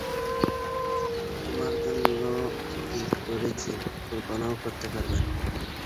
তোমার জন্য কি করেছি কল্পনাও করতে পারবে না।